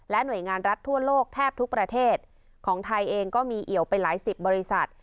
หน่วยงานรัฐทั่วโลกแทบทุกประเทศของไทยเองก็มีเอี่ยวไปหลายสิบบริษัท